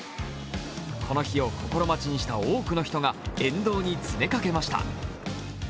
この日を心待ちにした多くの人が沿道に詰めかけました。